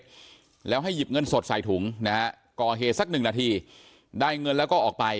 แล้วให้หยิบเงินสดใส่ถุงนะฮะก่อเหตุสักหนึ่งนาทีได้เงินแล้วก็ออกไป